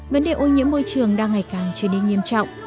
vấn đề ô nhiễm môi trường đang ngày càng nổi tiếng